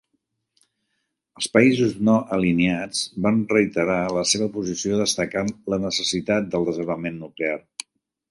Els països no alineats van reiterar la seva posició destacant la necessitat del desarmament nuclear.